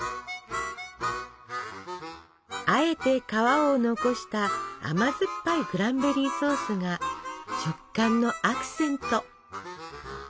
あえて皮を残した甘酸っぱいクランベリーソースが食感のアクセント！